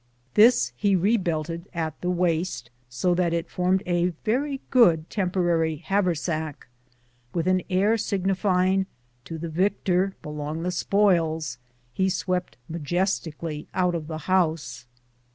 This he re belted at the waist, so that it formed a very good tern 228 COOTS AND SADDLES. porary haversack. With an air signifying to " the vic tor belong the spoils," he swept majestically out of the house.